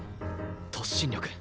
突進力。